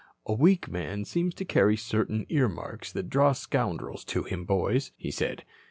"A weak man seems to carry certain earmarks that draw scoundrels to him, boys," he said.